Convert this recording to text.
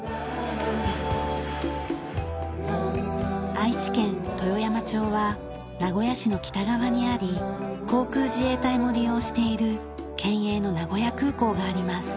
愛知県豊山町は名古屋市の北側にあり航空自衛隊も利用している県営の名古屋空港があります。